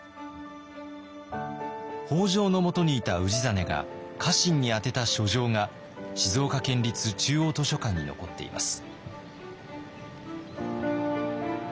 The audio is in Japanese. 北条のもとにいた氏真が家臣に宛てた書状が静岡県立中央図書館に残っています。